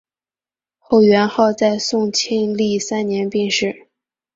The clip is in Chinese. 后元昊在宋庆历三年病逝。